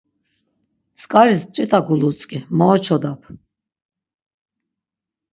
Tzk̆aris ç̆it̆a gulutzk̆i , mo oçodap.